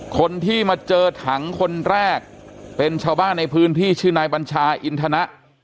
คนที่มาเจอถังคนแรกเป็นชาวบ้านในพื้นที่ชื่อนายบัญชาอินทนะ